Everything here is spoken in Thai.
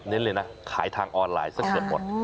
เน้นเลยนะขายทางออนไลน์ซะเกิดหมด